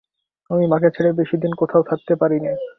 আমি মাকে ছেড়ে বেশি দিন কোথাও থাকতে পারি নে।